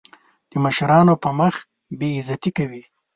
د مشرانو په مخ بې عزتي کوي.